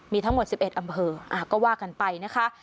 มีทั้งหมด๑๑อำเภอก็ว่ากันไปนะคะ